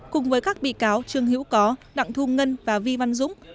cùng với các bị cáo trương hữu có đặng thu ngân và vi văn dũng